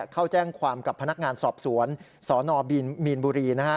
เข้าแจ้งความกับพนักงานสอบสวนสนมีนบุรี